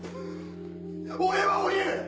俺は降りる！